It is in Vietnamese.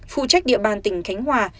phụ trách địa bàn tỉnh khánh hòa